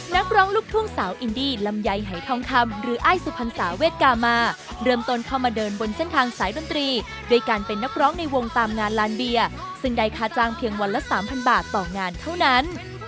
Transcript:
นักร้องลูกทุ่งสาวอินดี้ลำไยหายทองคำหรืออ้ายสุพรรษาเวทกามาเริ่มต้นเข้ามาเดินบนเส้นทางสายดนตรีด้วยการเป็นนักร้องในวงตามงานลานเบียซึ่งได้ค่าจ้างเพียงวันละ๓๐๐บาทต่องานเท่านั้น